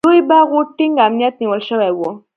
لوی باغ و، ټینګ امنیت نیول شوی و.